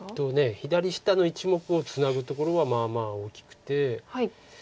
左下の１目をツナぐところはまあまあ大きくて。